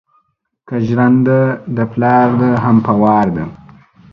که جرنده دې د پلار ده خو په وار ده